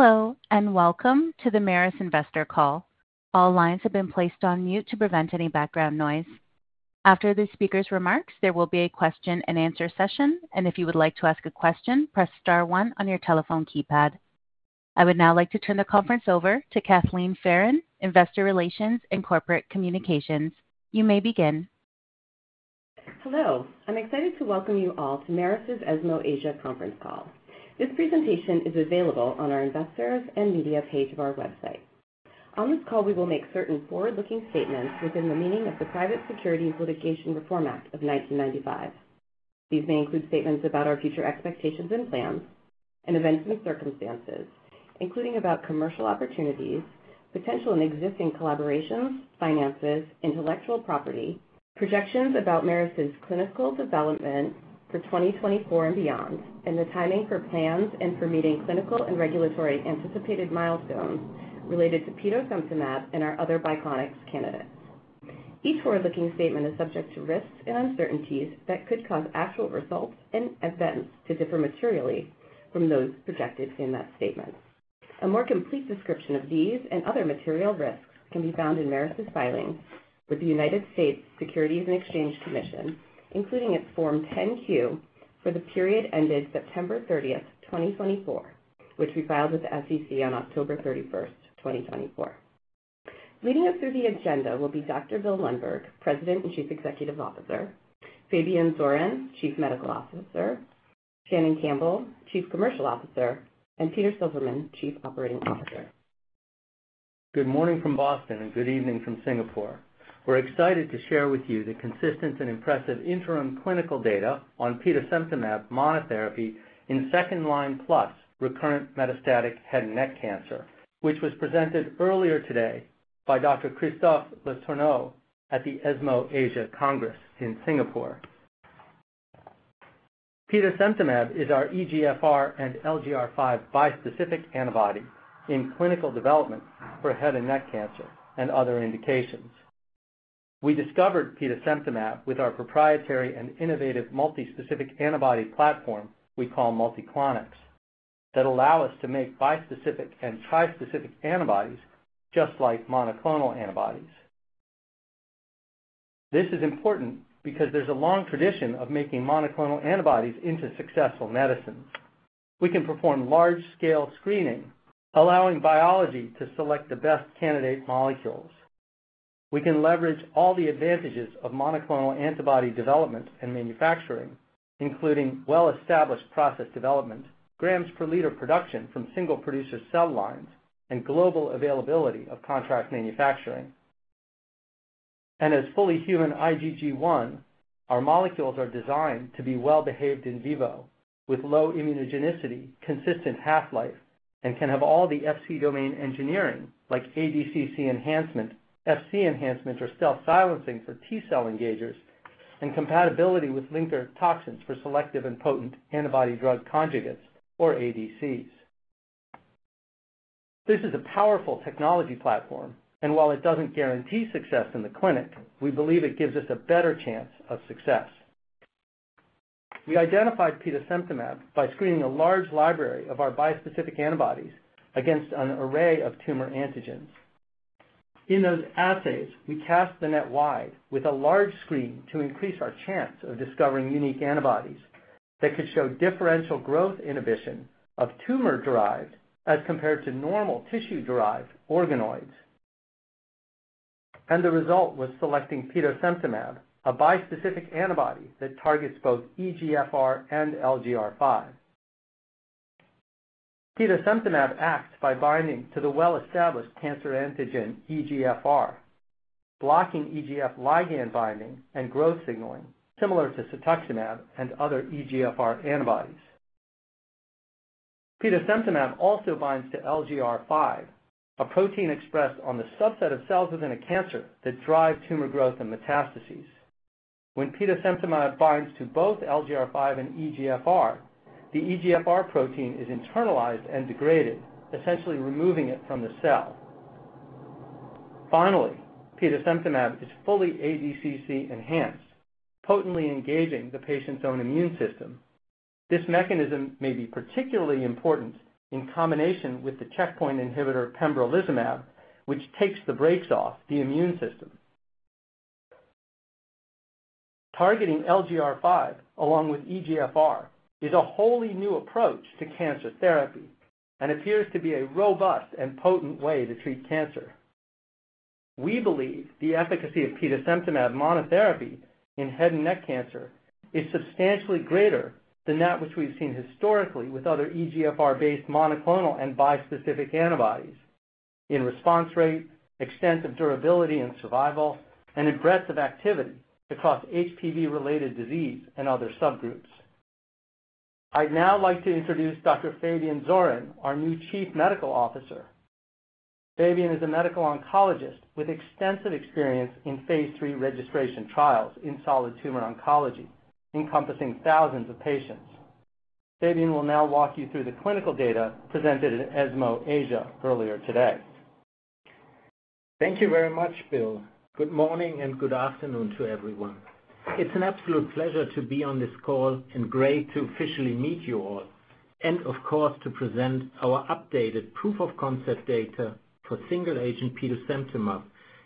Hello, and welcome to the Merus Investor Call. All lines have been placed on mute to prevent any background noise. After the speaker's remarks, there will be a question-and-answer session, and if you would like to ask a question, press star one on your telephone keypad. I would now like to turn the conference over to Kathleen Farren, Investor Relations and Corporate Communications. You may begin. Hello. I'm excited to welcome you all to Merus' ESMO Asia Conference Call. This presentation is available on our investors and media page of our website. On this call, we will make certain forward-looking statements within the meaning of the Private Securities Litigation Reform Act of 1995. These may include statements about our future expectations and plans, and events and circumstances, including about commercial opportunities, potential and existing collaborations, finances, intellectual property, projections about Merus' clinical development for 2024 and beyond, and the timing for plans and for meeting clinical and regulatory anticipated milestones related to petosemtamab and our other Biclonics candidates. Each forward-looking statement is subject to risks and uncertainties that could cause actual results and events to differ materially from those projected in that statement. A more complete description of these and other material risks can be found in Merus' filings with the U.S. Securities and Exchange Commission, including its Form 10-Q for the period ended September 30th, 2024, which we filed with the SEC on October 31st, 2024. Leading us through the agenda will be Dr. Bill Lundberg, President and Chief Executive Officer, Fabian Zohren, Chief Medical Officer, Shannon Campbell, Chief Commercial Officer, and Peter Silverman, Chief Operating Officer. Good morning from Boston, and good evening from Singapore. We're excited to share with you the consistent and impressive interim clinical data on petosemtamab monotherapy in second-line plus recurrent metastatic head and neck cancer, which was presented earlier today by Dr. Christophe Le Tourneau at the ESMO Asia Congress in Singapore. Petosemtamab is our EGFR and LGR5 bispecific antibody in clinical development for head and neck cancer and other indications. We discovered petosemtamab with our proprietary and innovative multi-specific antibody platform we call Multiclonics that allow us to make bispecific and trispecific antibodies just like monoclonal antibodies. This is important because there's a long tradition of making monoclonal antibodies into successful medicines. We can perform large-scale screening, allowing biology to select the best candidate molecules. We can leverage all the advantages of monoclonal antibody development and manufacturing, including well-established process development, grams per liter production from single producer cell lines, and global availability of contract manufacturing. As fully human IgG1, our molecules are designed to be well-behaved in vivo, with low immunogenicity, consistent half-life, and can have all the Fc domain engineering like ADCC enhancement, Fc enhancement, or stealth silencing for T cell engagers, and compatibility with linker toxins for selective and potent antibody drug conjugates, or ADCs. This is a powerful technology platform, and while it doesn't guarantee success in the clinic, we believe it gives us a better chance of success. We identified petosemtamab by screening a large library of our bispecific antibodies against an array of tumor antigens. In those assays, we cast the net wide with a large screen to increase our chance of discovering unique antibodies that could show differential growth inhibition of tumor-derived as compared to normal tissue-derived organoids. And the result was selecting petosemtamab, a bispecific antibody that targets both EGFR and LGR5. Petosemtamab acts by binding to the well-established cancer antigen EGFR, blocking EGF ligand binding and growth signaling, similar to cetuximab and other EGFR antibodies. Petosemtamab also binds to LGR5, a protein expressed on the subset of cells within a cancer that drive tumor growth and metastases. When petosemtamab binds to both LGR5 and EGFR, the EGFR protein is internalized and degraded, essentially removing it from the cell. Finally, petosemtamab is fully ADCC enhanced, potently engaging the patient's own immune system. This mechanism may be particularly important in combination with the checkpoint inhibitor pembrolizumab, which takes the brakes off the immune system. Targeting LGR5, along with EGFR, is a wholly new approach to cancer therapy and appears to be a robust and potent way to treat cancer. We believe the efficacy of petosemtamab monotherapy in head and neck cancer is substantially greater than that which we've seen historically with other EGFR-based monoclonal and bispecific antibodies in response rate, extent of durability and survival, and in breadth of activity across HPV-related disease and other subgroups. I'd now like to introduce Dr. Fabian Zohren, our new Chief Medical Officer. Fabian is a medical oncologist with extensive experience in Phase III registration trials in solid tumor oncology, encompassing thousands of patients. Fabian will now walk you through the clinical data presented at ESMO Asia earlier today. Thank you very much, Bill. Good morning and good afternoon to everyone. It's an absolute pleasure to be on this call and great to officially meet you all, and of course, to present our updated proof of concept data for single-agent petosemtamab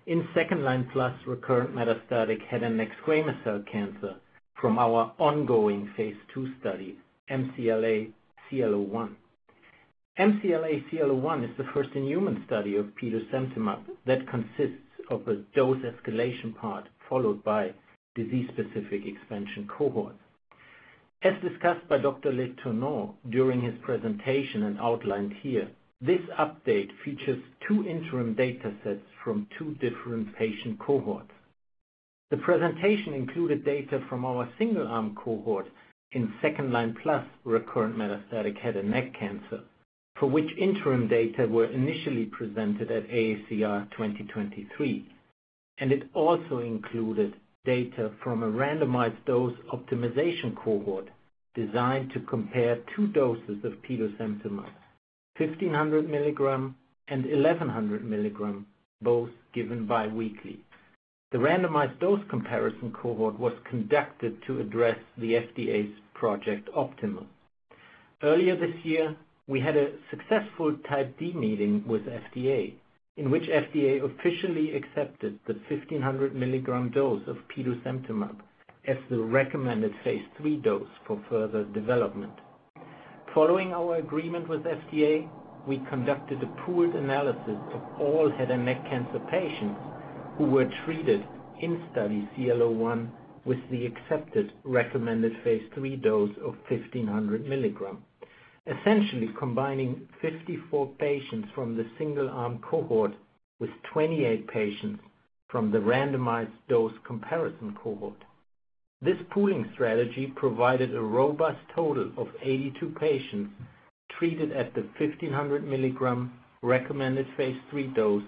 in second-line plus recurrent metastatic head and neck squamous cell cancer from our ongoing Phase II study, MCLA-CL01. MCLA-CL01 is the first-in-human study of petosemtamab that consists of a dose escalation part followed by disease-specific expansion cohort. As discussed by Dr. Le Tourneau during his presentation and outlined here, this update features two interim data sets from two different patient cohorts. The presentation included data from our single-arm cohort in second-line plus recurrent metastatic head and neck cancer, for which interim data were initially presented at AACR 2023. It also included data from a randomized dose optimization cohort designed to compare two doses of petosemtamab, 1500 milligram and 1100 milligram, both given biweekly. The randomized dose comparison cohort was conducted to address the FDA's Project Optimus. Earlier this year, we had a successful Type D meeting with FDA, in which FDA officially accepted the 1500 milligram dose of petosemtamab as the recommended Phase III dose for further development. Following our agreement with FDA, we conducted a pooled analysis of all head and neck cancer patients who were treated in study CL01 with the accepted recommended Phase III dose of 1500 milligram, essentially combining 54 patients from the single-arm cohort with 28 patients from the randomized dose comparison cohort. This pooling strategy provided a robust total of 82 patients treated at the 1500 milligram recommended Phase III dose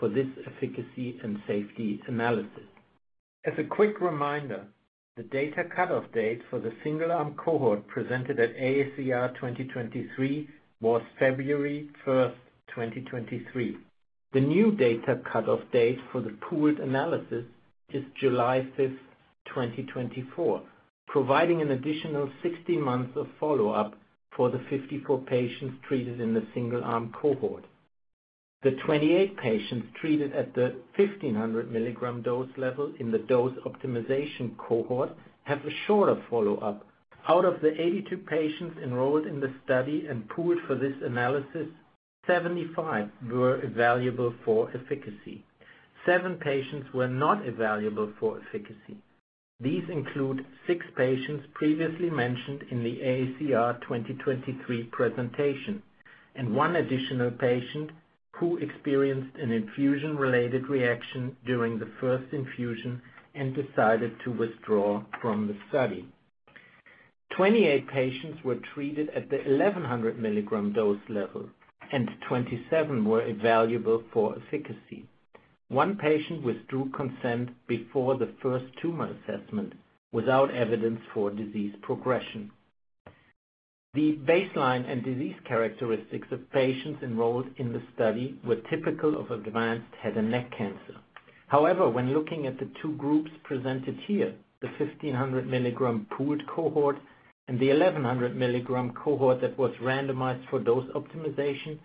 for this efficacy and safety analysis. As a quick reminder, the data cutoff date for the single-arm cohort presented at AACR 2023 was February 1st, 2023. The new data cutoff date for the pooled analysis is July 5th, 2024, providing an additional 16 months of follow-up for the 54 patients treated in the single-arm cohort. The 28 patients treated at the 1,500 milligram dose level in the dose optimization cohort have a shorter follow-up. Out of the 82 patients enrolled in the study and pooled for this analysis, 75 were evaluable for efficacy. Seven patients were not evaluable for efficacy. These include six patients previously mentioned in the AACR 2023 presentation and one additional patient who experienced an infusion-related reaction during the first infusion and decided to withdraw from the study. 28 patients were treated at the 1,100 milligram dose level, and 27 were evaluable for efficacy. One patient withdrew consent before the first tumor assessment without evidence for disease progression. The baseline and disease characteristics of patients enrolled in the study were typical of advanced head and neck cancer. However, when looking at the two groups presented here, the 1500 milligram pooled cohort and the 1100 milligram cohort that was randomized for dose optimization,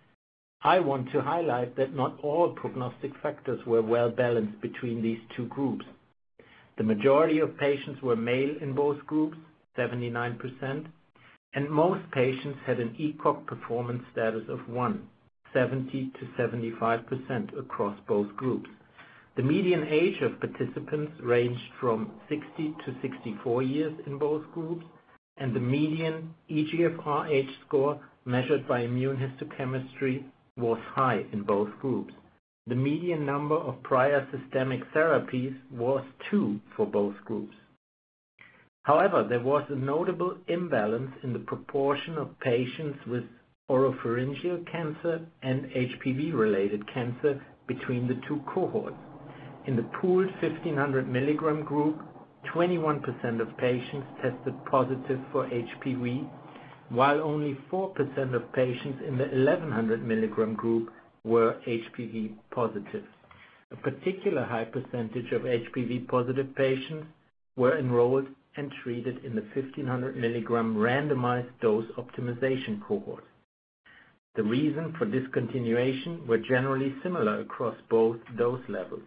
I want to highlight that not all prognostic factors were well balanced between these two groups. The majority of patients were male in both groups, 79%, and most patients had an ECOG performance status of 1, 70%-75% across both groups. The median age of participants ranged from 60-64 years in both groups, and the median EGFR H-score measured by immunohistochemistry was high in both groups. The median number of prior systemic therapies was 2 for both groups. However, there was a notable imbalance in the proportion of patients with oropharyngeal cancer and HPV-related cancer between the two cohorts. In the pooled 1,500 milligram group, 21% of patients tested positive for HPV, while only 4% of patients in the 1,100 milligram group were HPV positive. A particular high percentage of HPV-positive patients were enrolled and treated in the 1,500 milligram randomized dose optimization cohort. The reason for discontinuation was generally similar across both dose levels,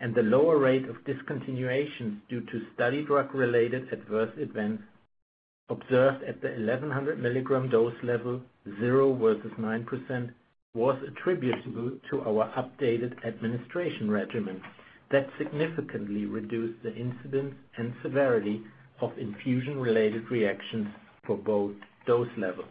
and the lower rate of discontinuations due to study drug-related adverse events observed at the 1,100 milligram dose level, 0 versus 9%, was attributable to our updated administration regimen that significantly reduced the incidence and severity of infusion-related reactions for both dose levels.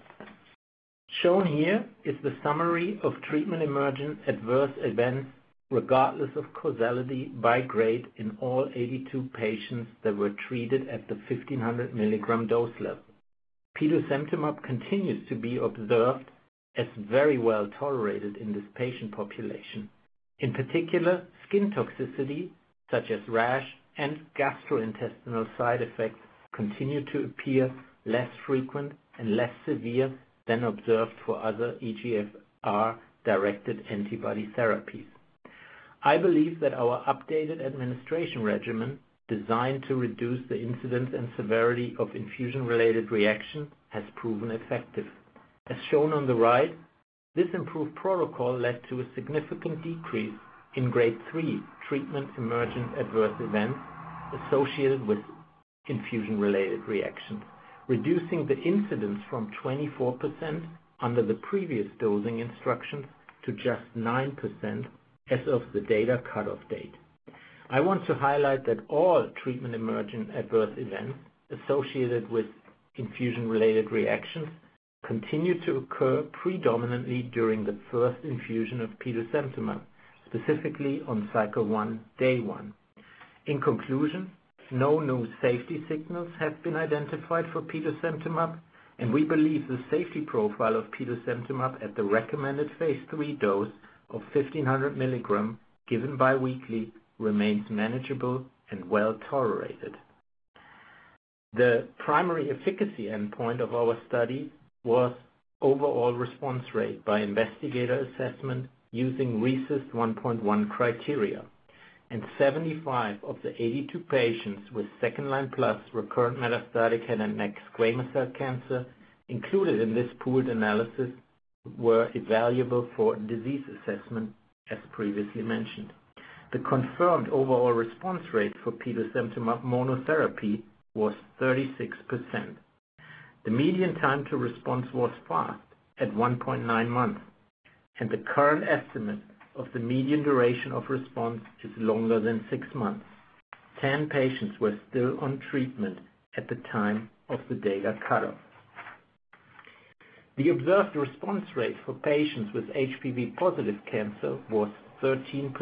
Shown here is the summary of treatment-emergent adverse events regardless of causality by grade in all 82 patients that were treated at the 1,500 milligram dose level. Petosemtamab continues to be observed as very well tolerated in this patient population. In particular, skin toxicity such as rash and gastrointestinal side effects continue to appear less frequent and less severe than observed for other EGFR-directed antibody therapies. I believe that our updated administration regimen designed to reduce the incidence and severity of infusion-related reactions has proven effective. As shown on the right, this improved protocol led to a significant decrease in Grade 3 treatment-emergent adverse events associated with infusion-related reactions, reducing the incidence from 24% under the previous dosing instructions to just 9% as of the data cutoff date. I want to highlight that all treatment-emergent adverse events associated with infusion-related reactions continue to occur predominantly during the first infusion of petosemtamab, specifically on cycle one, day one. In conclusion, no new safety signals have been identified for petosemtamab, and we believe the safety profile of petosemtamab at the recommended Phase III dose of 1,500 milligrams given biweekly remains manageable and well tolerated. The primary efficacy endpoint of our study was overall response rate by investigator assessment using RECIST 1.1 criteria, and 75 of the 82 patients with second-line plus recurrent metastatic head and neck squamous cell cancer included in this pooled analysis were evaluable for disease assessment, as previously mentioned. The confirmed overall response rate for petosemtamab monotherapy was 36%. The median time to response was fast at 1.9 months, and the current estimate of the median duration of response is longer than six months. Ten patients were still on treatment at the time of the data cutoff. The observed response rate for patients with HPV-positive cancer was 13%.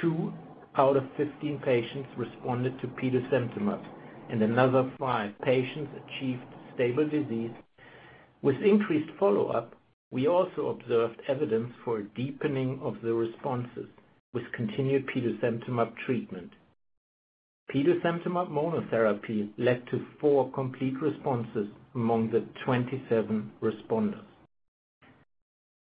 Two out of 15 patients responded to petosemtamab, and another five patients achieved stable disease. With increased follow-up, we also observed evidence for deepening of the responses with continued petosemtamab treatment. Petosemtamab monotherapy led to four complete responses among the 27 responders.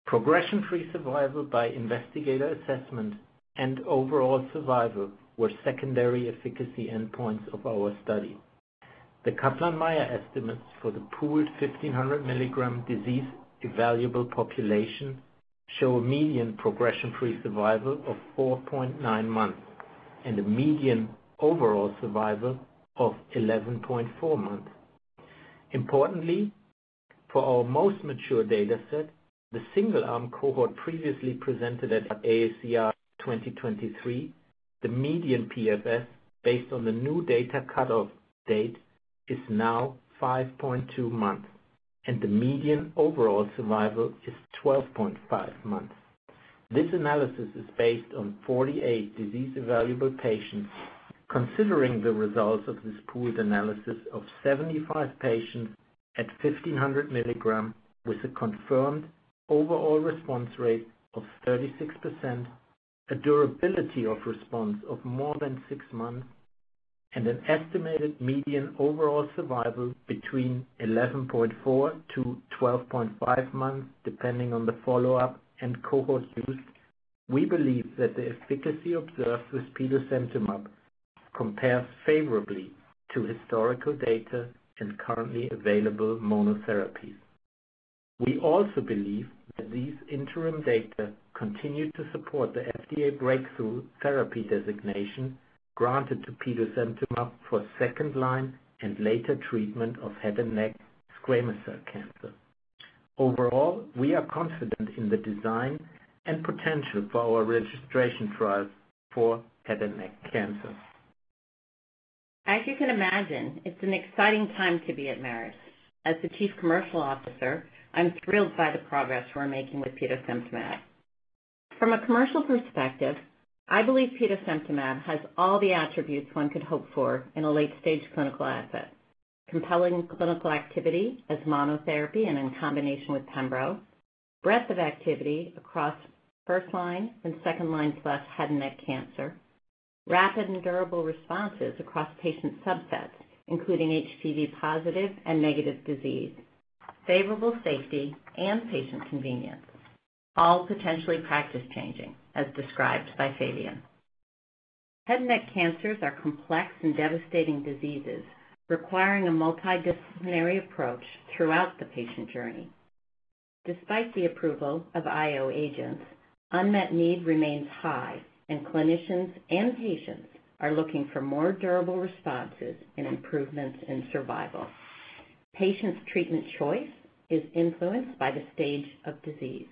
Progression-free survival by investigator assessment and overall survival were secondary efficacy endpoints of our study. The Kaplan-Meier estimates for the pooled 1,500 milligram disease-evaluable population show a median progression-free survival of 4.9 months and a median overall survival of 11.4 months. Importantly, for our most mature data set, the single-arm cohort previously presented at AACR 2023, the median PFS based on the new data cutoff date is now 5.2 months, and the median overall survival is 12.5 months. This analysis is based on 48 disease-evaluable patients, considering the results of this pooled analysis of 75 patients at 1,500 milligrams with a confirmed overall response rate of 36%, a durability of response of more than six months, and an estimated median overall survival between 11.4 to 12.5 months depending on the follow-up and cohort use, we believe that the efficacy observed with petosemtamab compares favorably to historical data and currently available monotherapies. We also believe that these interim data continue to support the FDA Breakthrough Therapy Designation granted to petosemtamab for second-line and later treatment of head and neck squamous cell carcinoma. Overall, we are confident in the design and potential for our registration trials for head and neck cancer. As you can imagine, it's an exciting time to be at Merus. As the Chief Commercial Officer, I'm thrilled by the progress we're making with petosemtamab. From a commercial perspective, I believe petosemtamab has all the attributes one could hope for in a late-stage clinical asset: compelling clinical activity as monotherapy and in combination with pembro, breadth of activity across first-line and second-line plus head and neck cancer, rapid and durable responses across patient subsets, including HPV-positive and negative disease, favorable safety, and patient convenience, all potentially practice-changing, as described by Fabian. Head and neck cancers are complex and devastating diseases requiring a multidisciplinary approach throughout the patient journey. Despite the approval of IO agents, unmet need remains high, and clinicians and patients are looking for more durable responses and improvements in survival. Patients' treatment choice is influenced by the stage of disease.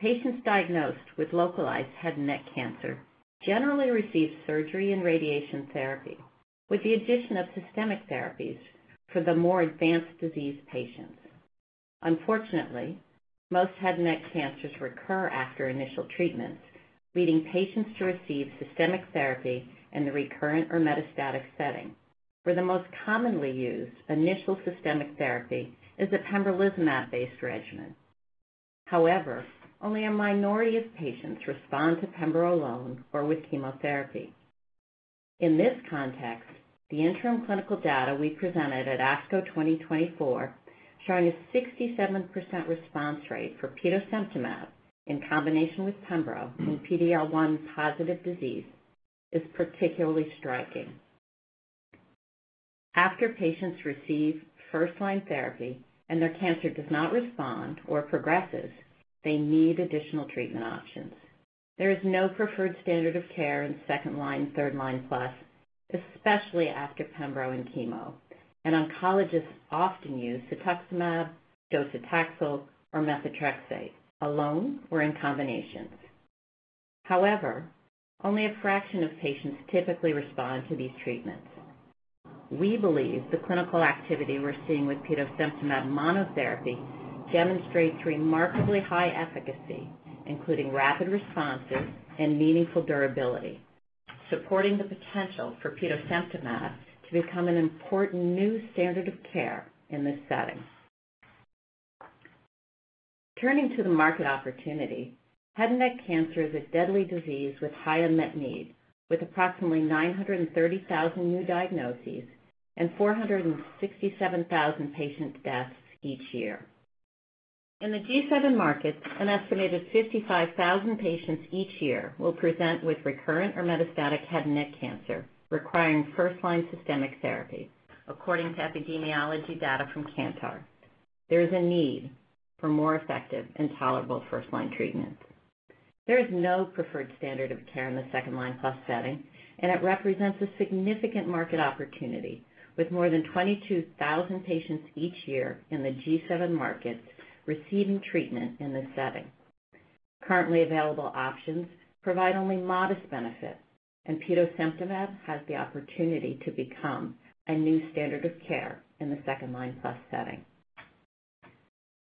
Patients diagnosed with localized head and neck cancer generally receive surgery and radiation therapy with the addition of systemic therapies for the more advanced disease patients. Unfortunately, most head and neck cancers recur after initial treatments, leading patients to receive systemic therapy in the recurrent or metastatic setting, where the most commonly used initial systemic therapy is the pembrolizumab-based regimen. However, only a minority of patients respond to pembro alone or with chemotherapy. In this context, the interim clinical data we presented at ASCO 2024, showing a 67% response rate for petosemtamab in combination with pembro in PD-L1 positive disease, is particularly striking. After patients receive first-line therapy and their cancer does not respond or progresses, they need additional treatment options. There is no preferred standard of care in second-line and third-line plus, especially after pembro and chemo, and oncologists often use cetuximab, docetaxel, or methotrexate alone or in combinations. However, only a fraction of patients typically respond to these treatments. We believe the clinical activity we're seeing with petosemtamab monotherapy demonstrates remarkably high efficacy, including rapid responses and meaningful durability, supporting the potential for petosemtamab to become an important new standard of care in this setting. Turning to the market opportunity, head and neck cancer is a deadly disease with high unmet need, with approximately 930,000 new diagnoses and 467,000 patient deaths each year. In the G7 market, an estimated 55,000 patients each year will present with recurrent or metastatic head and neck cancer requiring first-line systemic therapy, according to epidemiology data from Kantar. There is a need for more effective and tolerable first-line treatments. There is no preferred standard of care in the second-line plus setting, and it represents a significant market opportunity, with more than 22,000 patients each year in the G7 markets receiving treatment in this setting. Currently available options provide only modest benefit, and petosemtamab has the opportunity to become a new standard of care in the second-line plus setting.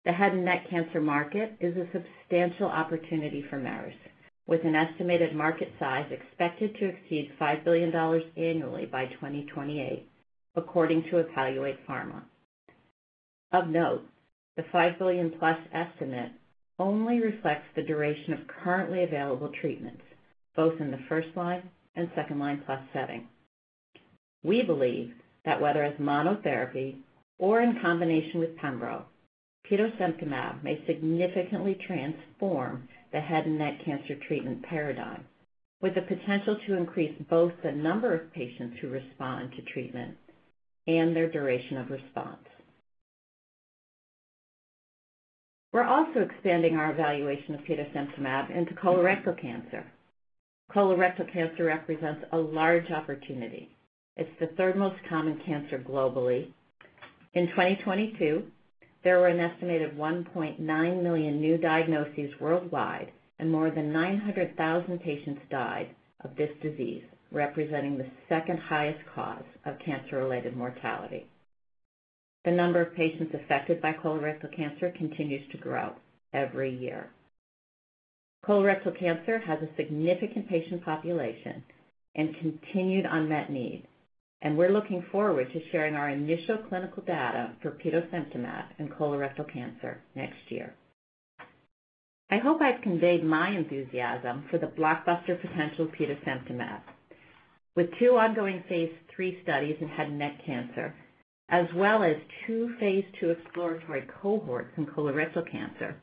The head and neck cancer market is a substantial opportunity for Merus, with an estimated market size expected to exceed $5 billion annually by 2028, according to EvaluatePharma. Of note, the $5 billion plus estimate only reflects the duration of currently available treatments, both in the first-line and second-line plus setting. We believe that whether as monotherapy or in combination with pembro, petosemtamab may significantly transform the head and neck cancer treatment paradigm, with the potential to increase both the number of patients who respond to treatment and their duration of response. We're also expanding our evaluation of petosemtamab into colorectal cancer. Colorectal cancer represents a large opportunity. It's the third most common cancer globally. In 2022, there were an estimated 1.9 million new diagnoses worldwide, and more than 900,000 patients died of this disease, representing the second highest cause of cancer-related mortality. The number of patients affected by colorectal cancer continues to grow every year. Colorectal cancer has a significant patient population and continued unmet need, and we're looking forward to sharing our initial clinical data for petosemtamab in colorectal cancer next year. I hope I've conveyed my enthusiasm for the blockbuster potential of petosemtamab. With two ongoing Phase III studies in head and neck cancer, as well as two Phase II exploratory cohorts in colorectal cancer,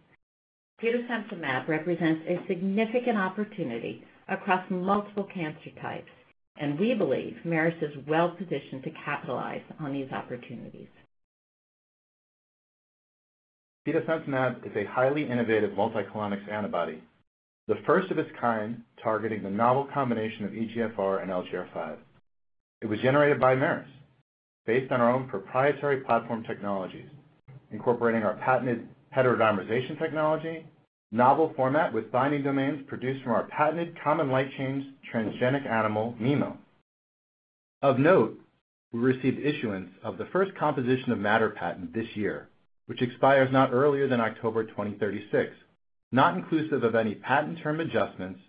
petosemtamab represents a significant opportunity across multiple cancer types, and we believe Merus is well positioned to capitalize on these opportunities. Petosemtamab is a highly innovative Multiclonics antibody, the first of its kind targeting the novel combination of EGFR and LGR5. It was generated by Merus based on our own proprietary platform technologies, incorporating our patented heterodimerization technology, novel format with binding domains produced from our patented common light chain transgenic animal MeMo. Of note, we received issuance of the first composition of matter patent this year, which expires not earlier than October 2036, not inclusive of any patent term adjustments,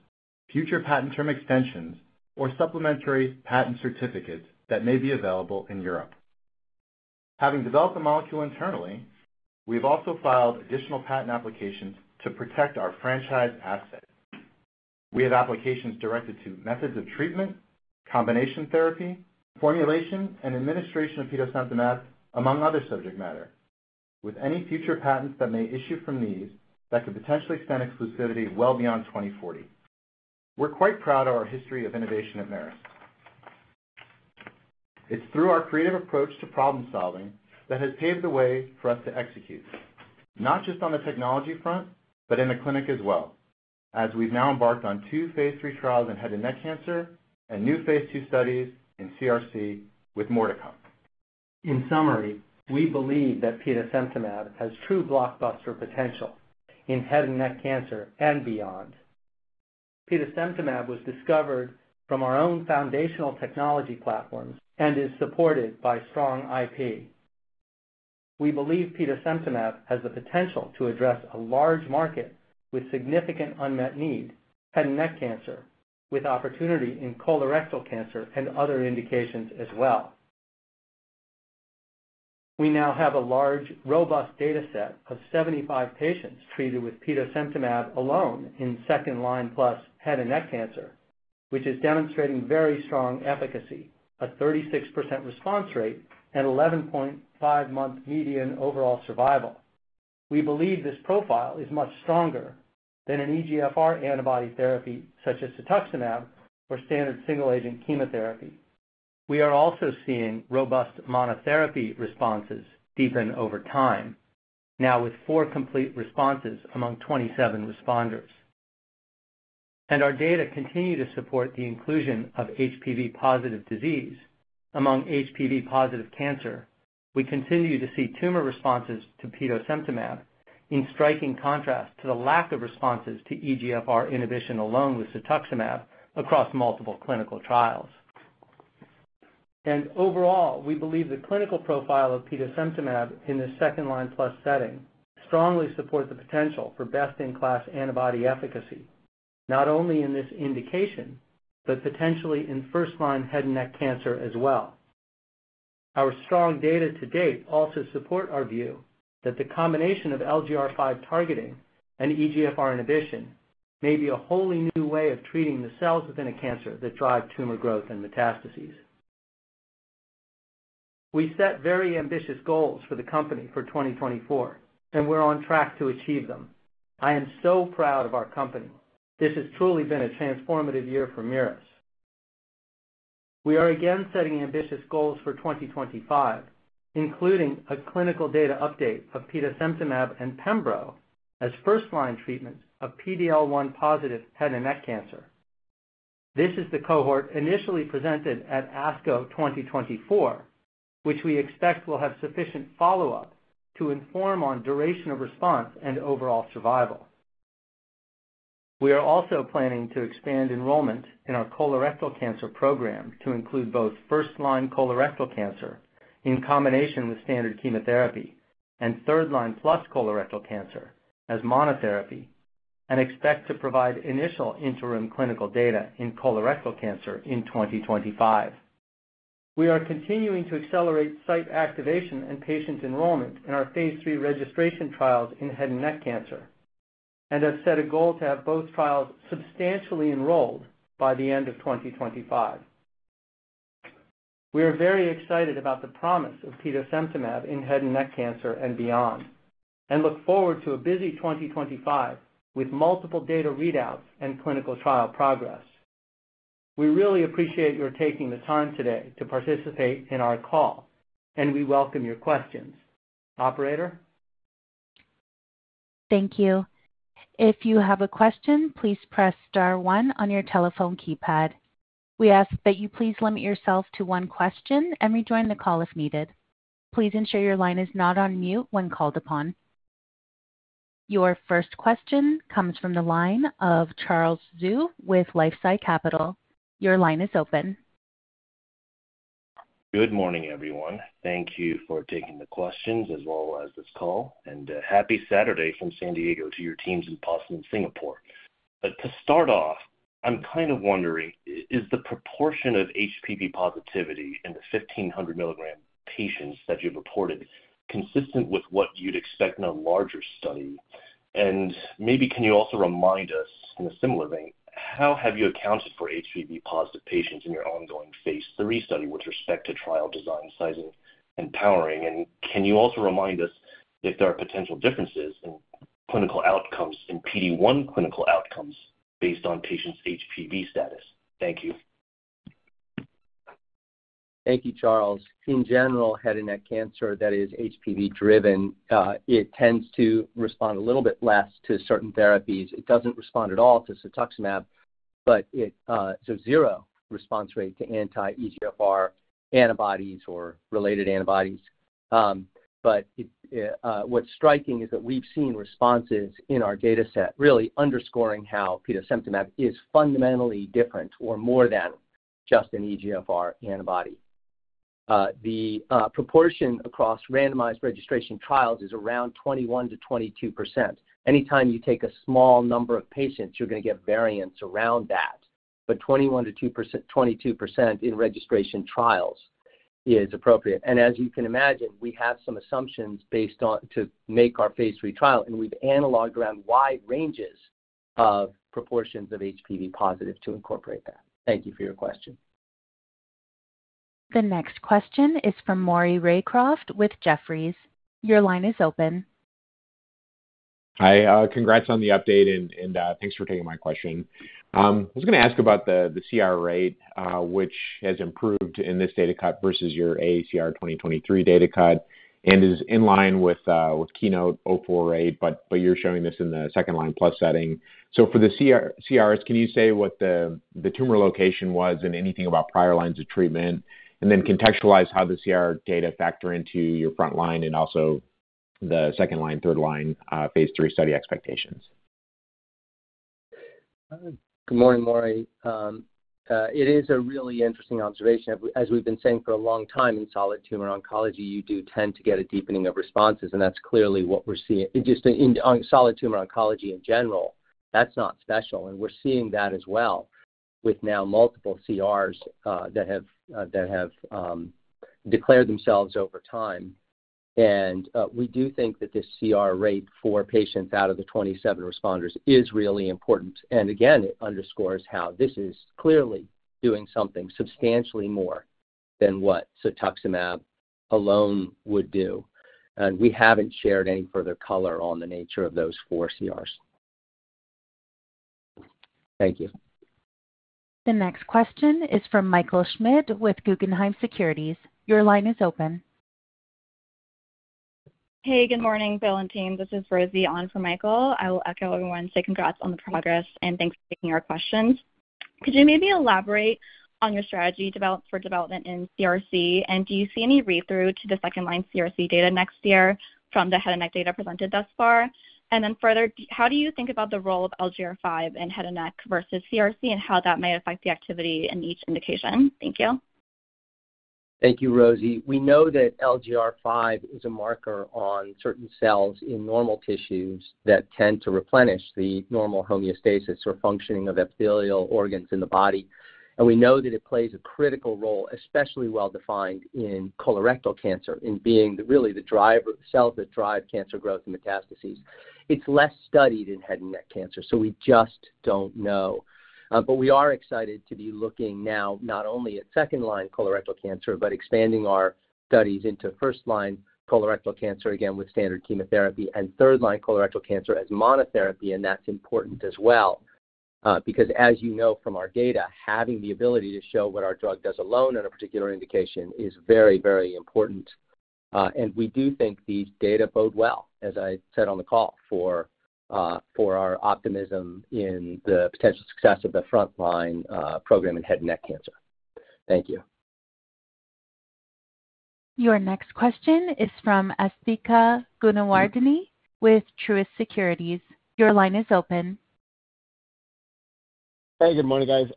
future patent term extensions, or supplementary patent certificates that may be available in Europe. Having developed the molecule internally, we have also filed additional patent applications to protect our franchise asset. We have applications directed to methods of treatment, combination therapy, formulation, and administration of petosemtamab, among other subject matter, with any future patents that may issue from these that could potentially extend exclusivity well beyond 2040. We're quite proud of our history of innovation at Merus. It's through our creative approach to problem-solving that has paved the way for us to execute, not just on the technology front, but in the clinic as well, as we've now embarked on two Phase III trials in head and neck cancer and new Phase II studies in CRC with more to come. In summary, we believe that petosemtamab has true blockbuster potential in head and neck cancer and beyond. Petosemtamab was discovered from our own foundational technology platforms and is supported by strong IP. We believe petosemtamab has the potential to address a large market with significant unmet need: head and neck cancer, with opportunity in colorectal cancer and other indications as well. We now have a large, robust data set of 75 patients treated with petosemtamab alone in second-line plus head and neck cancer, which is demonstrating very strong efficacy, a 36% response rate, and 11.5-month median overall survival. We believe this profile is much stronger than an EGFR antibody therapy such as cetuximab or standard single-agent chemotherapy. We are also seeing robust monotherapy responses deepen over time, now with four complete responses among 27 responders. Our data continue to support the inclusion of HPV-positive disease among HPV-positive cancer. We continue to see tumor responses to petosemtamab in striking contrast to the lack of responses to EGFR inhibition alone with cetuximab across multiple clinical trials, and overall, we believe the clinical profile of petosemtamab in the second-line plus setting strongly supports the potential for best-in-class antibody efficacy, not only in this indication, but potentially in first-line head and neck cancer as well. Our strong data to date also support our view that the combination of LGR5 targeting and EGFR inhibition may be a wholly new way of treating the cells within a cancer that drive tumor growth and metastases. We set very ambitious goals for the company for 2024, and we're on track to achieve them. I am so proud of our company. This has truly been a transformative year for Merus. We are again setting ambitious goals for 2025, including a clinical data update of petosemtamab and pembrolizumab as first-line treatments of PD-L1 positive head and neck cancer. This is the cohort initially presented at ASCO 2024, which we expect will have sufficient follow-up to inform on duration of response and overall survival. We are also planning to expand enrollment in our colorectal cancer program to include both first-line colorectal cancer in combination with standard chemotherapy and third-line plus colorectal cancer as monotherapy, and expect to provide initial interim clinical data in colorectal cancer in 2025. We are continuing to accelerate site activation and patient enrollment in our Phase III registration trials in head and neck cancer, and have set a goal to have both trials substantially enrolled by the end of 2025. We are very excited about the promise of petosemtamab in head and neck cancer and beyond, and look forward to a busy 2025 with multiple data readouts and clinical trial progress. We really appreciate your taking the time today to participate in our call, and we welcome your questions. Operator? Thank you. If you have a question, please press star one on your telephone keypad. We ask that you please limit yourself to one question and rejoin the call if needed. Please ensure your line is not on mute when called upon. Your first question comes from the line of Charles Zhu with LifeSci Capital. Your line is open. Good morning, everyone. Thank you for taking the questions as well as this call, and happy Saturday from San Diego to your teams in Boston and Singapore. But to start off, I'm kind of wondering, is the proportion of HPV positivity in the 1,500 milligram patients that you've reported consistent with what you'd expect in a larger study? And maybe can you also remind us in a similar vein, how have you accounted for HPV-positive patients in your ongoing Phase III study with respect to trial design, sizing, and powering? And can you also remind us if there are potential differences in clinical outcomes in PD-1 clinical outcomes based on patients' HPV status? Thank you. Thank you, Charles. In general, head and neck cancer that is HPV-driven, it tends to respond a little bit less to certain therapies. It doesn't respond at all to cetuximab, but it has a zero response rate to anti-EGFR antibodies or related antibodies. But what's striking is that we've seen responses in our data set really underscoring how petosemtamab is fundamentally different or more than just an EGFR antibody. The proportion across randomized registration trials is around 21%-22%. Anytime you take a small number of patients, you're going to get variance around that. But 21%-22% in registration trials is appropriate. And as you can imagine, we have some assumptions based on to make our Phase III trial, and we've analogged around wide ranges of proportions of HPV-positive to incorporate that. Thank you for your question. The next question is from Maury Raycroft with Jefferies. Your line is open. Hi. Congrats on the update, and thanks for taking my question. I was going to ask about the CR rate, which has improved in this data cut versus your AACR 2023 data cut, and is in line with KEYNOTE-048, but you're showing this in the second-line plus setting. So for the CRs, can you say what the tumor location was and anything about prior lines of treatment, and then contextualize how the CR data factor into your front line and also the second-line, third-line, Phase III study expectations? Good morning, Maury. It is a really interesting observation. As we've been saying for a long time in solid tumor oncology, you do tend to get a deepening of responses, and that's clearly what we're seeing. Just in solid tumor oncology in general, that's not special, and we're seeing that as well with now multiple CRs that have declared themselves over time. And we do think that this CR rate for patients out of the 27 responders is really important. And again, it underscores how this is clearly doing something substantially more than what cetuximab alone would do. And we haven't shared any further color on the nature of those four CRs. Thank you. The next question is from Michael Schmidt with Guggenheim Securities. Your line is open. Hey, good morning, Bill and team. This is Rosie on for Michael. I will echo everyone's sentiments, congrats on the progress and thanks for taking our questions. Could you maybe elaborate on your strategy for development in CRC, and do you see any read-through to the second-line CRC data next year from the head and neck data presented thus far? And then further, how do you think about the role of LGR5 in head and neck versus CRC and how that might affect the activity in each indication? Thank you. Thank you, Rosie. We know that LGR5 is a marker on certain cells in normal tissues that tend to replenish the normal homeostasis or functioning of epithelial organs in the body, and we know that it plays a critical role, especially well-defined in colorectal cancer, in being really the cells that drive cancer growth and metastases. It's less studied in head and neck cancer, so we just don't know, but we are excited to be looking now not only at second-line colorectal cancer, but expanding our studies into first-line colorectal cancer, again, with standard chemotherapy, and third-line colorectal cancer as monotherapy, and that's important as well. Because as you know from our data, having the ability to show what our drug does alone on a particular indication is very, very important. We do think these data bode well, as I said on the call, for our optimism in the potential success of the front-line program in head and neck cancer. Thank you. Your next question is from Asthika Goonewardene with Truist Securities. Your line is open. Hey, good morning, guys.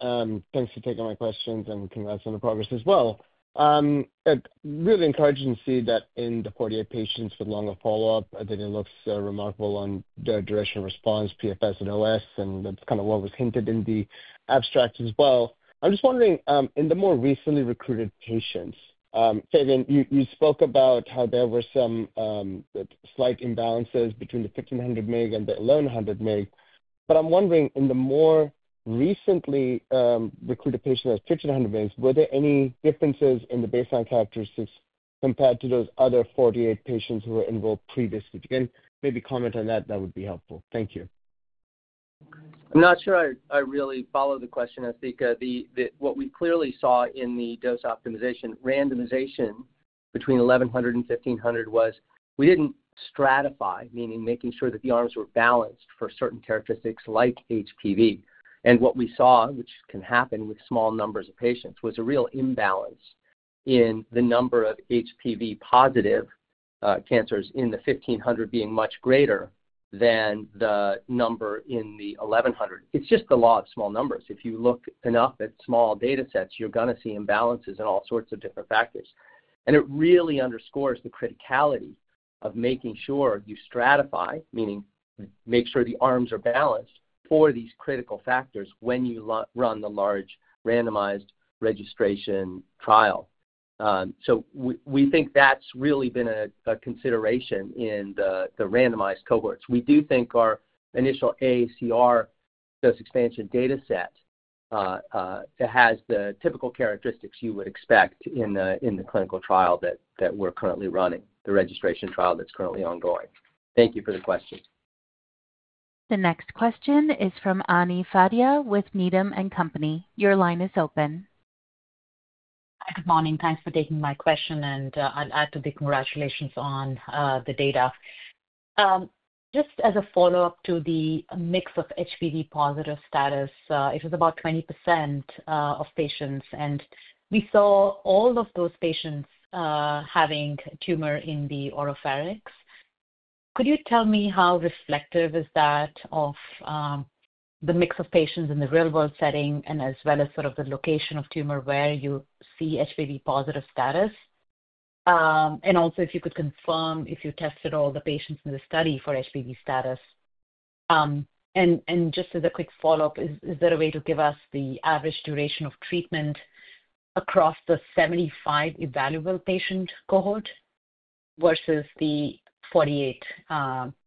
Thanks for taking my questions, and congrats on the progress as well. Really encouraging to see that in the 48 patients with longer follow-up, that it looks remarkable on the duration of response, PFS, and OS, and that's kind of what was hinted in the abstract as well. I'm just wondering, in the more recently recruited patients, Fabian, you spoke about how there were some slight imbalances between the 1,500 mg and the 1,100 mg. But I'm wondering, in the more recently recruited patients at 1,500 mg, were there any differences in the baseline characteristics compared to those other 48 patients who were enrolled previously? If you can maybe comment on that, that would be helpful. Thank you. I'm not sure I really follow the question, Asthika. What we clearly saw in the dose optimization, randomization between 1,100 and 1,500 was we didn't stratify, meaning making sure that the arms were balanced for certain characteristics like HPV. And what we saw, which can happen with small numbers of patients, was a real imbalance in the number of HPV-positive cancers in the 1,500 being much greater than the number in the 1,100. It's just the law of small numbers. If you look enough at small data sets, you're going to see imbalances in all sorts of different factors. And it really underscores the criticality of making sure you stratify, meaning make sure the arms are balanced for these critical factors when you run the large randomized registration trial. So we think that's really been a consideration in the randomized cohorts. We do think our initial AACR dose expansion data set has the typical characteristics you would expect in the clinical trial that we're currently running, the registration trial that's currently ongoing. Thank you for the question. The next question is from Ami Fadia with Needham & Company. Your line is open. Hi, good morning. Thanks for taking my question, and I'd like to give congratulations on the data. Just as a follow-up to the mix of HPV-positive status, it was about 20% of patients, and we saw all of those patients having tumor in the oropharynx. Could you tell me how reflective is that of the mix of patients in the real-world setting and as well as sort of the location of tumor where you see HPV-positive status? And also, if you could confirm if you tested all the patients in the study for HPV status? And just as a quick follow-up, is there a way to give us the average duration of treatment across the 75 evaluable patient cohort versus the 48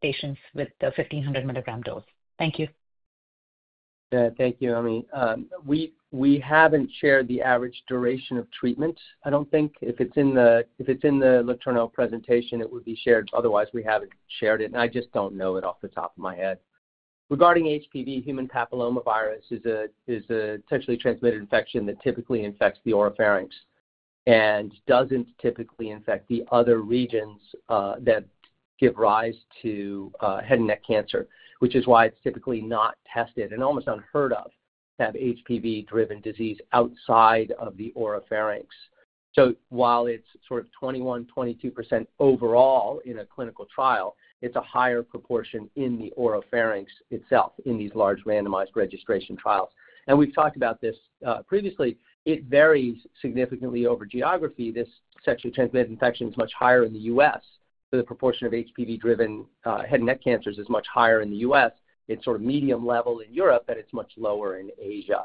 patients with the 1,500 milligram dose? Thank you. Thank you, Ami. We haven't shared the average duration of treatment, I don't think. If it's in the November presentation, it would be shared. Otherwise, we haven't shared it, and I just don't know it off the top of my head. Regarding HPV, human papillomavirus is a sexually transmitted infection that typically infects the oropharynx and doesn't typically infect the other regions that give rise to head and neck cancer, which is why it's typically not tested and almost unheard of to have HPV-driven disease outside of the oropharynx. So while it's sort of 21%-22% overall in a clinical trial, it's a higher proportion in the oropharynx itself in these large randomized registration trials. And we've talked about this previously. It varies significantly over geography. This sexually transmitted infection is much higher in the U.S. The proportion of HPV-driven head and neck cancers is much higher in the U.S. It's sort of medium level in Europe, but it's much lower in Asia.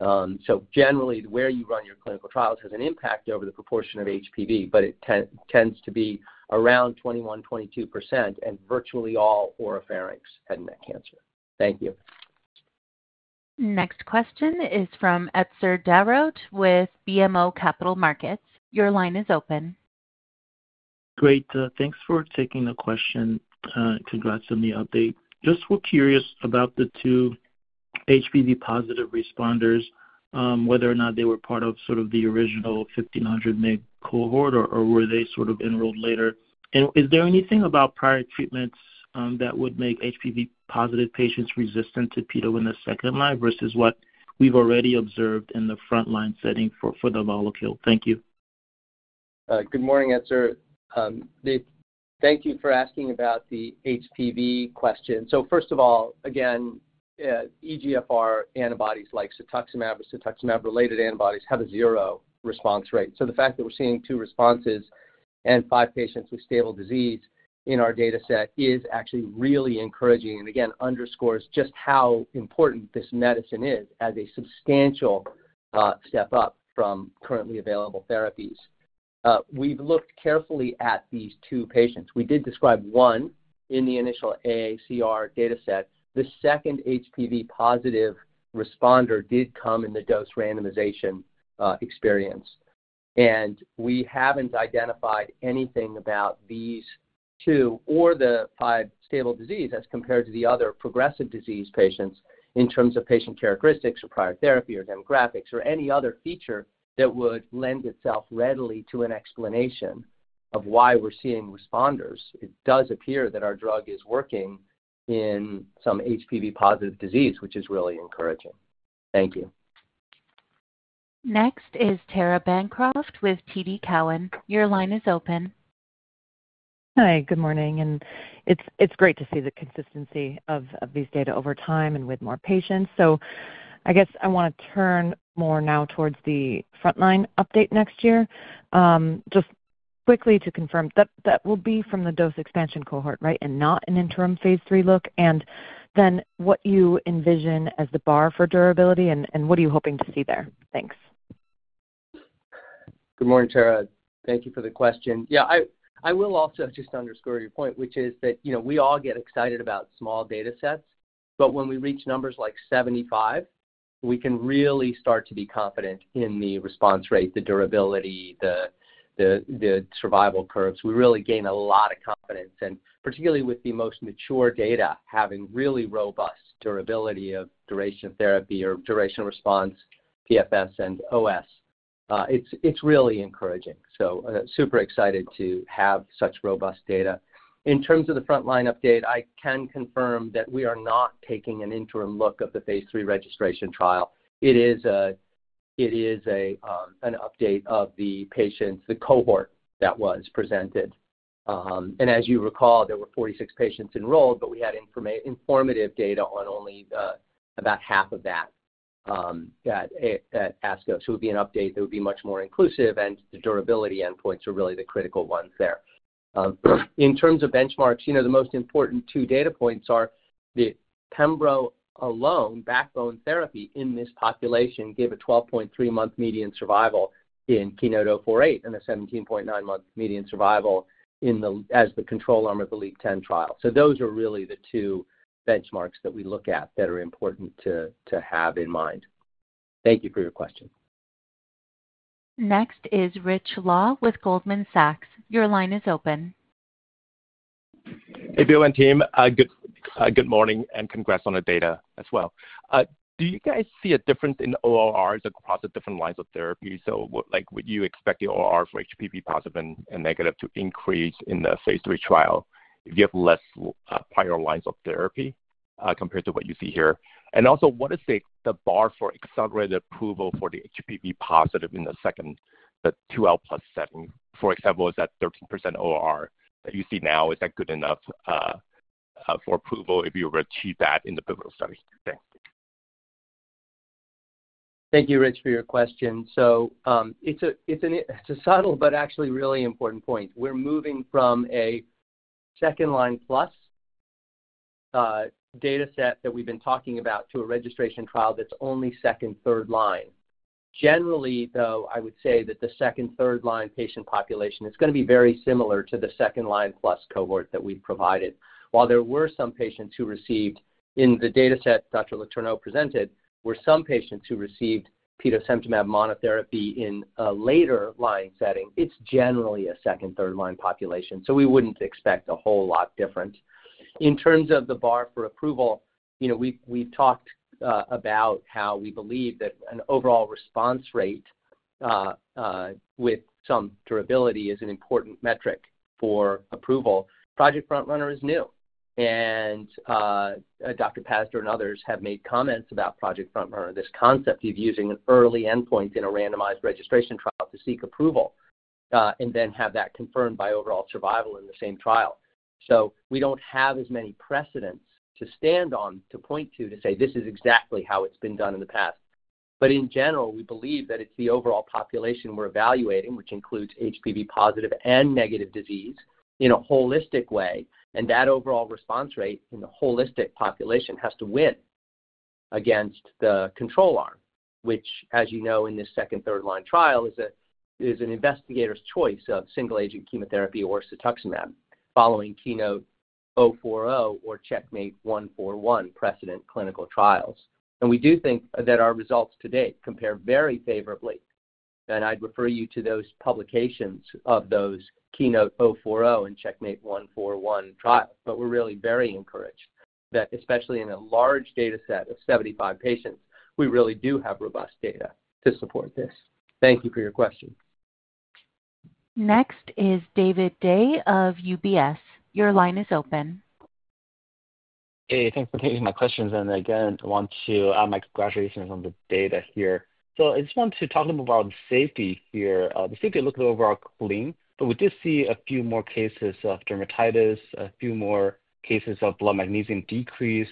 So generally, where you run your clinical trials has an impact over the proportion of HPV, but it tends to be around 21%-22% in virtually all oropharynx head and neck cancer. Thank you. Next question is from Etzer Darout with BMO Capital Markets. Your line is open. Great. Thanks for taking the question. Congrats on the update. Just were curious about the two HPV-positive responders, whether or not they were part of sort of the original 1,500 mg cohort, or were they sort of enrolled later. And is there anything about prior treatments that would make HPV-positive patients resistant to petosemtamab in the second line versus what we've already observed in the front-line setting for petosemtamab? Thank you. Good morning, Etzer. Thank you for asking about the HPV question. So first of all, again, EGFR antibodies like cetuximab or cetuximab-related antibodies have a zero response rate. So the fact that we're seeing two responses and five patients with stable disease in our data set is actually really encouraging and again underscores just how important this medicine is as a substantial step up from currently available therapies. We've looked carefully at these two patients. We did describe one in the initial AACR data set. The second HPV-positive responder did come in the dose randomization experience, and we haven't identified anything about these two or the five stable disease as compared to the other progressive disease patients in terms of patient characteristics or prior therapy or demographics or any other feature that would lend itself readily to an explanation of why we're seeing responders. It does appear that our drug is working in some HPV-positive disease, which is really encouraging. Thank you. Next is Tara Bancroft with TD Cowen. Your line is open. Hi, good morning, and it's great to see the consistency of these data over time and with more patients, so I guess I want to turn more now towards the front-line update next year. Just quickly to confirm, that will be from the dose expansion cohort, right, and not an interim Phase III look? And then what you envision as the bar for durability, and what are you hoping to see there? Thanks. Good morning, Tara. Thank you for the question. Yeah, I will also just underscore your point, which is that we all get excited about small data sets, but when we reach numbers like 75, we can really start to be confident in the response rate, the durability, the survival curves. We really gain a lot of confidence, and particularly with the most mature data having really robust durability of duration of therapy or duration of response, PFS, and OS. It's really encouraging, so super excited to have such robust data. In terms of the front-line update, I can confirm that we are not taking an interim look of the Phase III registration trial. It is an update of the patients, the cohort that was presented, and as you recall, there were 46 patients enrolled, but we had informative data on only about half of that at ASCO. It would be an update that would be much more inclusive, and the durability endpoints are really the critical ones there. In terms of benchmarks, the most important two data points are the pembro alone, backbone therapy in this population gave a 12.3-month median survival in KEYNOTE-048 and a 17.9-month median survival as the control arm of the LEAP-010 trial. So those are really the two benchmarks that we look at that are important to have in mind. Thank you for your question. Next is Richard Law with Goldman Sachs. Your line is open. Hey, Bill and team. Good morning, and congrats on the data as well. Do you guys see a difference in ORRs across the different lines of therapy? So would you expect the ORR for HPV positive and negative to increase in the Phase III trial if you have less prior lines of therapy compared to what you see here? And also, what is the bar for accelerated approval for the HPV positive in the 2L+ setting? For example, is that 13% ORR that you see now, is that good enough for approval if you were to achieve that in the pivotal study? Thanks. Thank you, Rich, for your question. So it's a subtle but actually really important point. We're moving from a second-line plus data set that we've been talking about to a registration trial that's only second, third line. Generally, though, I would say that the second, third line patient population is going to be very similar to the second-line plus cohort that we've provided. While there were some patients who received in the data set Dr. Le Tourneau presented petosemtamab monotherapy in a later line setting, it's generally a second, third line population. So we wouldn't expect a whole lot different. In terms of the bar for approval, we've talked about how we believe that an overall response rate with some durability is an important metric for approval. Project FrontRunner is new, and Dr. Pazdur and others have made comments about Project FrontRunner, this concept of using an early endpoint in a randomized registration trial to seek approval and then have that confirmed by overall survival in the same trial. So we don't have as many precedents to stand on to point to, to say, "This is exactly how it's been done in the past." But in general, we believe that it's the overall population we're evaluating, which includes HPV positive and negative disease in a holistic way, and that overall response rate in the holistic population has to win against the control arm, which, as you know, in this second, third line trial is an investigator's choice of single-agent chemotherapy or cetuximab following KEYNOTE-040 or CheckMate 141 precedent clinical trials. We do think that our results to date compare very favorably, and I'd refer you to those publications of those KEYNOTE-040 and CheckMate 141 trials. We're really very encouraged that especially in a large data set of 75 patients, we really do have robust data to support this. Thank you for your question. Next is David Dai of UBS. Your line is open. Hey, thanks for taking my questions. And again, I want to add my congratulations on the data here. So I just want to talk a little bit more about the safety here. The safety looked overall clean, but we did see a few more cases of dermatitis, a few more cases of blood magnesium decrease.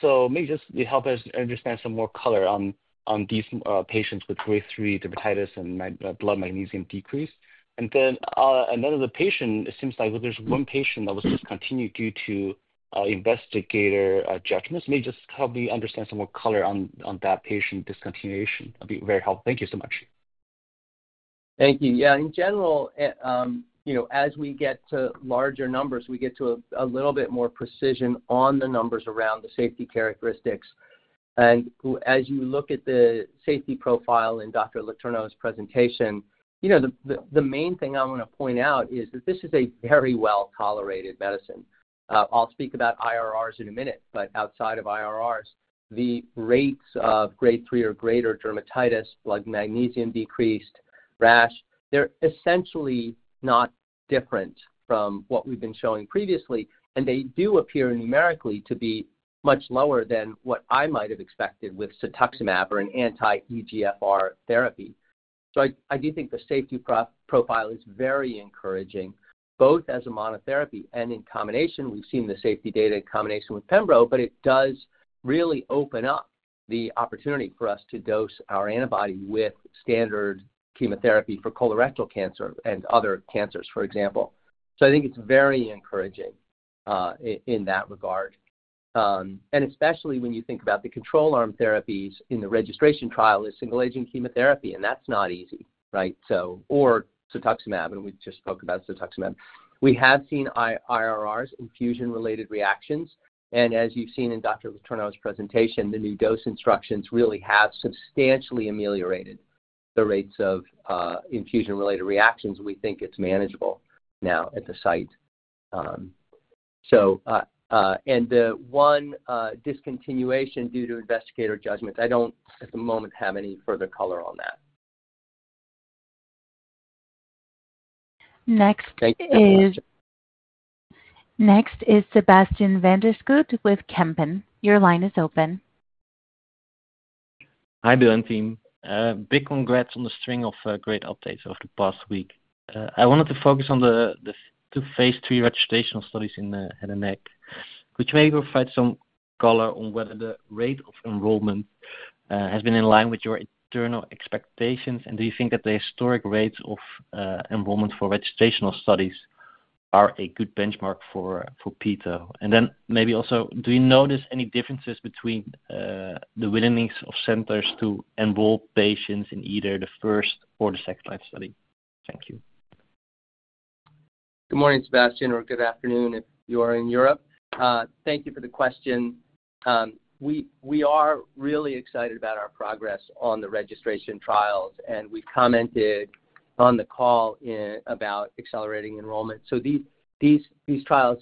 So maybe just help us understand some more color on these patients with grade 3 dermatitis and blood magnesium decrease. And then another patient, it seems like there's one patient that was discontinued due to investigator judgments. Maybe just help me understand some more color on that patient discontinuation. That'd be very helpful. Thank you so much. Thank you. Yeah, in general, as we get to larger numbers, we get to a little bit more precision on the numbers around the safety characteristics. And as you look at the safety profile in Dr. Le Tourneau's presentation, the main thing I want to point out is that this is a very well-tolerated medicine. I'll speak about IRRs in a minute, but outside of IRRs, the rates of grade 3 or greater dermatitis, blood magnesium decreased, rash, they're essentially not different from what we've been showing previously, and they do appear numerically to be much lower than what I might have expected with cetuximab or an anti-EGFR therapy. So I do think the safety profile is very encouraging, both as a monotherapy and in combination. We've seen the safety data in combination with pembro, but it does really open up the opportunity for us to dose our antibody with standard chemotherapy for colorectal cancer and other cancers, for example. So I think it's very encouraging in that regard. And especially when you think about the control arm therapies in the registration trial is single-agent chemotherapy, and that's not easy, right? Or cetuximab, and we just spoke about cetuximab. We have seen IRRs, infusion-related reactions, and as you've seen in Dr. Le Tourneau's presentation, the new dose instructions really have substantially ameliorated the rates of infusion-related reactions. We think it's manageable now at the site. And the one discontinuation due to investigator judgments, I don't at the moment have any further color on that. Next is Sebastiaan van der Schoot with Kempen. Your line is open. Hi Bill and team. Big congrats on the string of great updates over the past week. I wanted to focus on the Phase III registration studies in the head and neck, which maybe provide some color on whether the rate of enrollment has been in line with your internal expectations, and do you think that the historic rates of enrollment for registration studies are a good benchmark for PD-1? And then maybe also, do you notice any differences between the willingness of centers to enroll patients in either the first or the second line study? Thank you. Good morning, Sebastiaan, or good afternoon if you are in Europe. Thank you for the question. We are really excited about our progress on the registration trials, and we've commented on the call about accelerating enrollment. So these trials,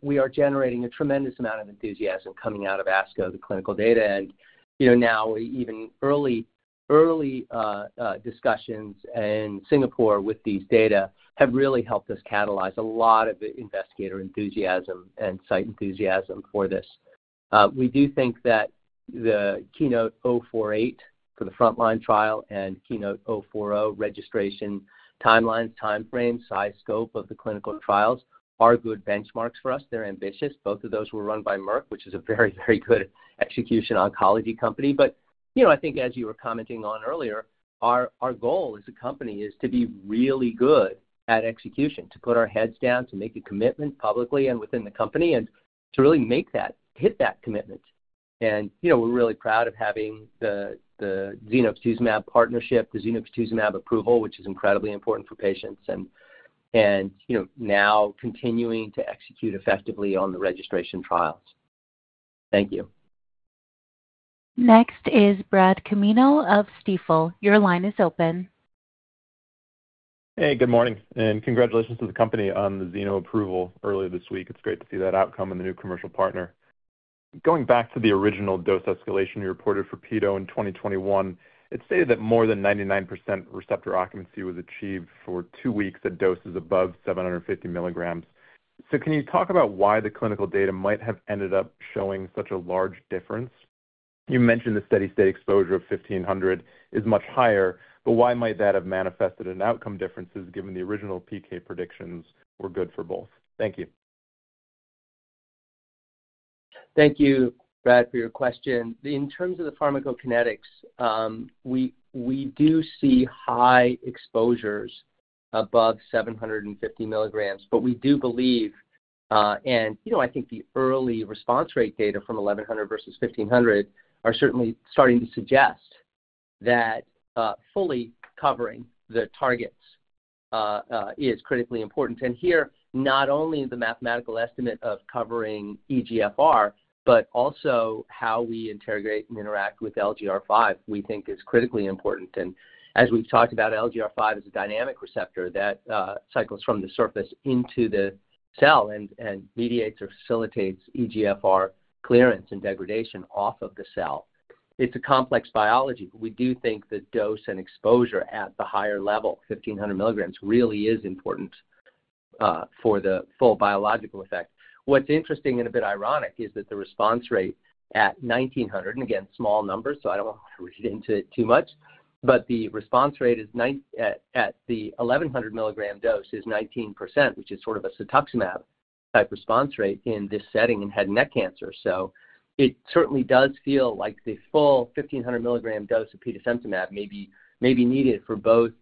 we are generating a tremendous amount of enthusiasm coming out of ASCO, the clinical data, and now even early discussions in Singapore with these data have really helped us catalyze a lot of investigator enthusiasm and site enthusiasm for this. We do think that the KEYNOTE-048 for the front-line trial and KEYNOTE-040 registration timelines, timeframes, size scope of the clinical trials are good benchmarks for us. They're ambitious. Both of those were run by Merck, which is a very, very good execution oncology company. But I think as you were commenting on earlier, our goal as a company is to be really good at execution, to put our heads down, to make a commitment publicly and within the company, and to really hit that commitment. And we're really proud of having the zenocutuzumab partnership, the zenocutuzumab approval, which is incredibly important for patients, and now continuing to execute effectively on the registration trials. Thank you. Next is Bradley Canino of Stifel. Your line is open. Hey, good morning, and congratulations to the company on the zenocutuzumab approval earlier this week. It's great to see that outcome and the new commercial partner. Going back to the original dose escalation you reported for petosemtamab in 2021, it stated that more than 99% receptor occupancy was achieved for two weeks at doses above 750 milligrams. So can you talk about why the clinical data might have ended up showing such a large difference? You mentioned the steady-state exposure of 1500 is much higher, but why might that have manifested in outcome differences given the original PK predictions were good for both? Thank you. Thank you, Brad, for your question. In terms of the pharmacokinetics, we do see high exposures above 750 milligrams, but we do believe, and I think the early response rate data from 1100 versus 1500 are certainly starting to suggest that fully covering the targets is critically important. And here, not only the mathematical estimate of covering EGFR, but also how we interrogate and interact with LGR5 we think is critically important. And as we've talked about, LGR5 is a dynamic receptor that cycles from the surface into the cell and mediates or facilitates EGFR clearance and degradation off of the cell. It's a complex biology, but we do think the dose and exposure at the higher level, 1500 milligrams, really is important for the full biological effect. What's interesting and a bit ironic is that the response rate at 1900, and again, small number, so I don't want to read into it too much, but the response rate at the 1100 milligram dose is 19%, which is sort of a cetuximab-type response rate in this setting in head and neck cancer. So it certainly does feel like the full 1500 milligram dose of petosemtamab may be needed for both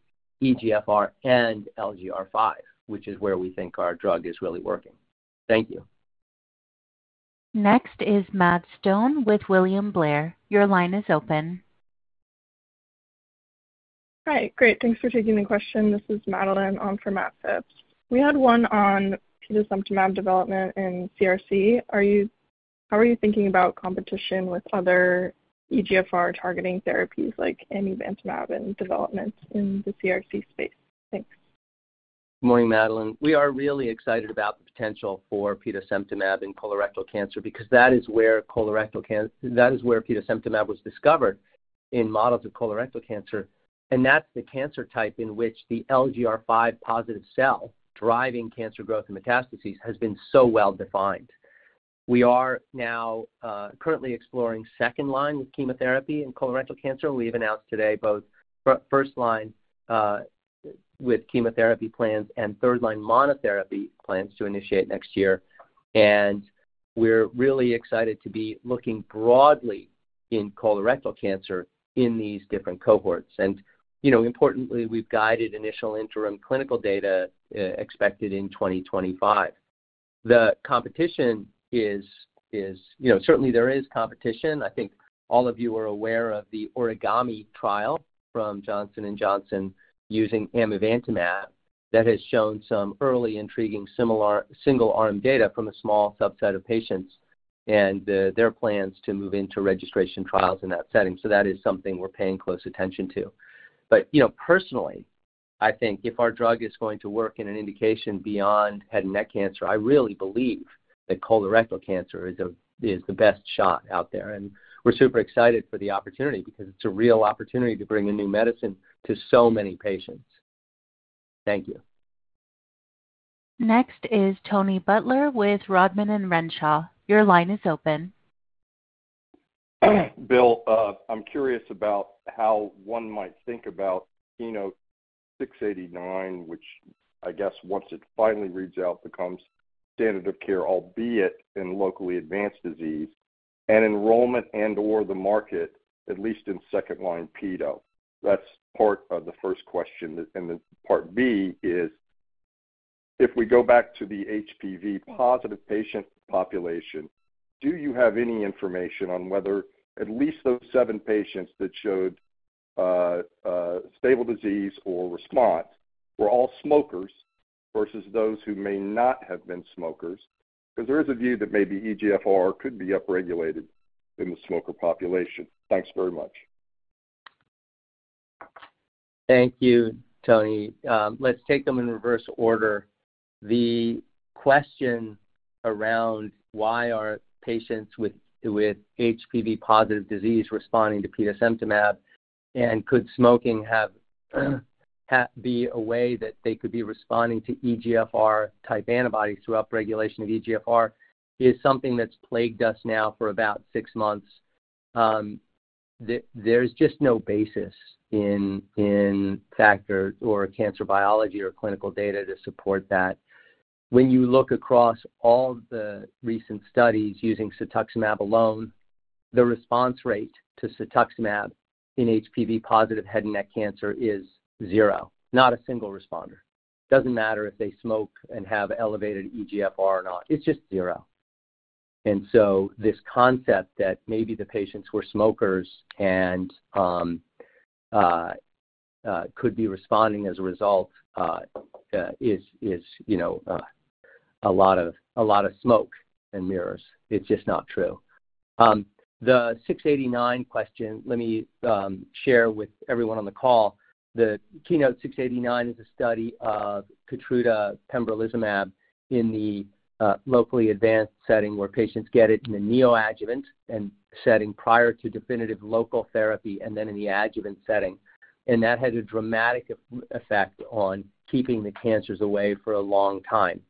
EGFR and LGR5, which is where we think our drug is really working. Thank you. Next is Matt Phipps with William Blair. Your line is open. Hi, great. Thanks for taking the question. This is Madeline on for Matt Phipps. We had one on petosemtamab development in CRC. How are you thinking about competition with other EGFR-targeting therapies like amivantamab and development in the CRC space? Thanks. Good morning, Madeline. We are really excited about the potential for petosemtamab in colorectal cancer because that is where petosemtamab was discovered in models of colorectal cancer, and that's the cancer type in which the LGR5 positive cell driving cancer growth and metastases has been so well defined. We are now currently exploring second-line chemotherapy in colorectal cancer. We've announced today both first-line with chemotherapy plans and third-line monotherapy plans to initiate next year, and we're really excited to be looking broadly in colorectal cancer in these different cohorts. Importantly, we've guided initial interim clinical data expected in 2025. The competition is certainly there. There is competition. I think all of you are aware of the ORIGAMI trial from Johnson & Johnson using amivantamab that has shown some early intriguing single-arm data from a small subset of patients and their plans to move into registration trials in that setting. So that is something we're paying close attention to. But personally, I think if our drug is going to work in an indication beyond head and neck cancer, I really believe that colorectal cancer is the best shot out there. And we're super excited for the opportunity because it's a real opportunity to bring a new medicine to so many patients. Thank you. Next is Tony Butler with Rodman & Renshaw. Your line is open. Bill, I'm curious about how one might think about KEYNOTE-689, which I guess once it finally reads out becomes standard of care, albeit in locally advanced disease, and enrollment and/or the market, at least in second-line PD-1. That's part of the first question. And part B is, if we go back to the HPV positive patient population, do you have any information on whether at least those seven patients that showed stable disease or response were all smokers versus those who may not have been smokers? Because there is a view that maybe EGFR could be upregulated in the smoker population. Thanks very much. Thank you, Tony. Let's take them in reverse order. The question around why are patients with HPV positive disease responding to petosemtamab, and could smoking be a way that they could be responding to EGFR-type antibodies to upregulation of EGFR, is something that's plagued us now for about six months. There's just no basis in factors or cancer biology or clinical data to support that. When you look across all the recent studies using cetuximab alone, the response rate to cetuximab in HPV positive head and neck cancer is zero. Not a single responder. Doesn't matter if they smoke and have elevated EGFR or not. It's just zero. And so this concept that maybe the patients were smokers and could be responding as a result is a lot of smoke and mirrors. It's just not true. The 689 question, let me share with everyone on the call. The KEYNOTE-689 is a study of Keytruda, pembrolizumab in the locally advanced setting where patients get it in the neoadjuvant setting prior to definitive local therapy and then in the adjuvant setting. And that had a dramatic effect on keeping the cancers away for a long time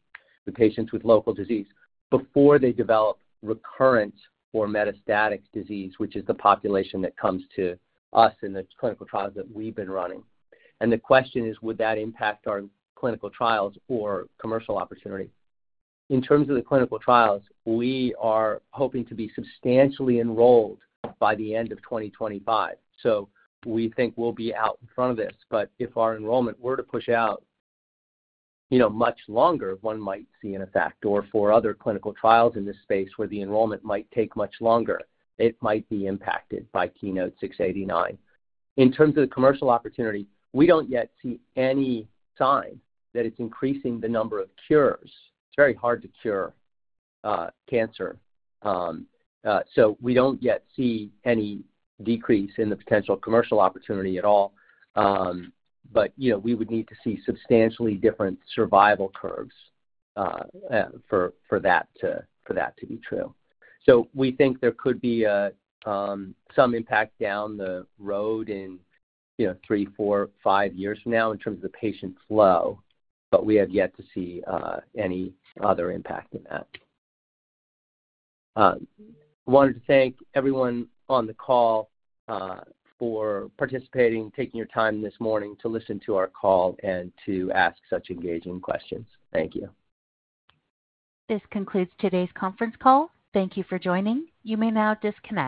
in patients with local disease before they develop recurrent or metastatic disease, which is the population that comes to us in the clinical trials that we've been running. And the question is, would that impact our clinical trials or commercial opportunity? In terms of the clinical trials, we are hoping to be substantially enrolled by the end of 2025. So we think we'll be out in front of this. But if our enrollment were to push out much longer, one might see an effect. Or for other clinical trials in this space where the enrollment might take much longer, it might be impacted by KEYNOTE-689. In terms of the commercial opportunity, we don't yet see any sign that it's increasing the number of cures. It's very hard to cure cancer. So we don't yet see any decrease in the potential commercial opportunity at all. But we would need to see substantially different survival curves for that to be true. So we think there could be some impact down the road in three, four, five years from now in terms of the patient flow, but we have yet to see any other impact in that. I wanted to thank everyone on the call for participating, taking your time this morning to listen to our call and to ask such engaging questions. Thank you. This concludes today's conference call. Thank you for joining. You may now disconnect.